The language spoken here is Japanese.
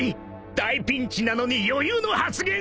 大ピンチなのに余裕の発言！］